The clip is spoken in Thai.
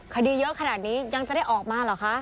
คดีเยอะขนาดนี้ยังจะได้ออกมาเหรอคะ